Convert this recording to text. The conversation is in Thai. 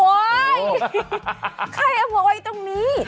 โอ้ยใครเอาหัวไว้ตรงนี้